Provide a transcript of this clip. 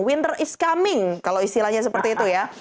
winter is coming kalau istilahnya seperti itu ya